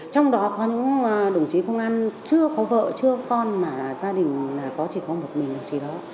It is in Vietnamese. trong đó có những đồng chí công an chưa có vợ chưa có con mà gia đình là chỉ có một mình chỉ đó